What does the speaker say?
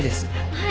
はい。